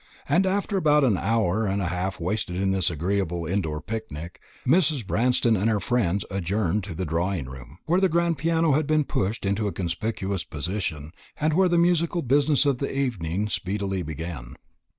And after about an hour and a half wasted in this agreeable indoor picnic, Mrs. Branston and her friends adjourned to the drawing room, where the grand piano had been pushed into a conspicuous position, and where the musical business of the evening speedily began.